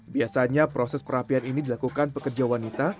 biasanya proses perapian ini dilakukan pekerja wanita